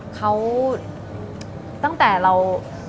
เขาตั้งแต่เรา